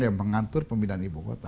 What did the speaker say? yang mengatur pemindahan ibu kota